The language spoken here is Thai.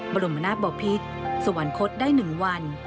บริมณาบอบพิษสวรรคตได้หนึ่งวัน